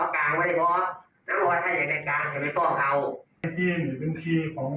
เขาได้ยังไงหรือเปล่าเขาพูดอาวุธค่ะ